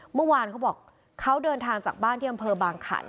เมื่อวานเขาบอกเขาเดินทางจากบ้านที่อำเภอบางขัน